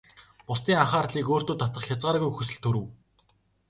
Бусдын анхаарлыг өөртөө татах хязгааргүй хүсэл төрөв.